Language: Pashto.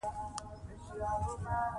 افغانستان کې خاوره د خلکو د خوښې وړ ځای دی.